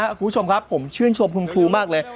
คุณผู้ชมครับผมชื่นชมคุณครูมากเลย